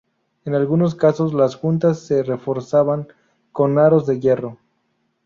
En algunos casos, las juntas se reforzaban con aros de hierro.